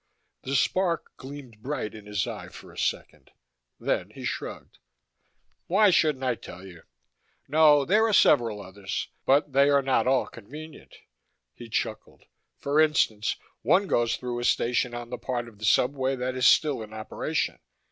The spark gleamed bright in his eye for a second. Then he shrugged. "Why shouldn't I tell you? No. There are several others, but they are not all convenient." He chuckled. "For instance, one goes through a station on the part of the subway that is still in operation.